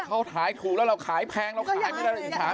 เขาขายถูกแล้วเราขายแพงเราขายไม่ได้อีกทาง